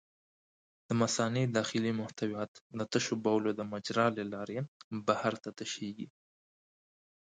د مثانې داخلي محتویات د تشو بولو د مجرا له لارې بهر ته تشېږي.